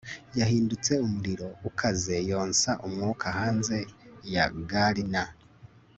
yahindutse umuriro ukaze yonsa umwuka hanze ya garner